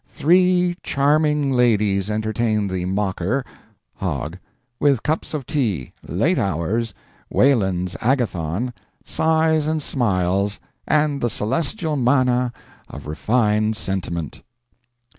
"Three charming ladies entertained the mocker (Hogg) with cups of tea, late hours, Wieland's Agathon, sighs and smiles, and the celestial manna of refined sentiment."